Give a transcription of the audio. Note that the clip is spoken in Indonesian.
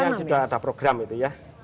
ini sudah ada program itu ya